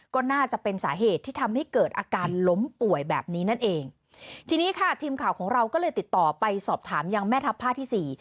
ก็น่าจะเป็นสาเหตุที่ทำให้เกิดอาการล้มป่วยแบบนี้นั่นเองทีนี้ค่ะทีมข่าวของเราก็เลยติดต่อไปสอบถามยังแม่ทัพภาคที่สี่